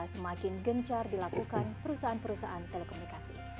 semakin gencar dilakukan perusahaan perusahaan telekomunikasi